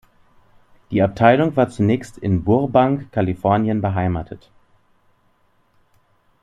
Die Abteilung war zunächst in Burbank, Kalifornien beheimatet.